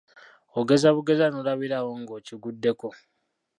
Ogeza bugeza n'olabira awo ng'okiguddeko.